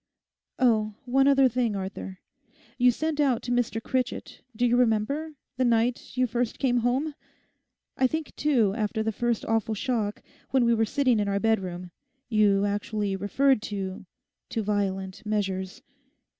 'Oh, one other thing, Arthur. You sent out to Mr Critchett—do you remember?—the night you first came home. I think, too, after the first awful shock, when we were sitting in our bedroom, you actually referred to—to violent measures.